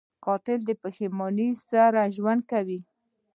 قاتل تل د پښېمانۍ سره ژوند کوي